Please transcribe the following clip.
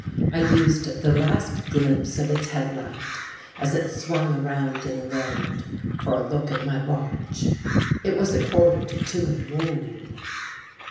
I used the last glimpse of its head light as it swung ^ around in the road, for a look at my watch. It |1 was a quarter to two in the morning.